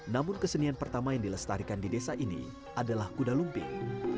namun kesenian pertama yang dilestarikan di desa ini adalah kuda lumping